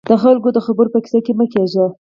د خلکو د خبرو په کيسه کې مه کېږئ.